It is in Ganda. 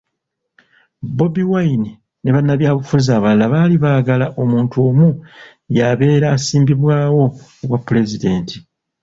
Bobi Wine ne bannabyabufuzi abalala baali baagala omuntu omu y'abeera asimbibwawo ku bwapulezidenti.